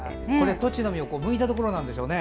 とちの実をむいたところなんでしょうね。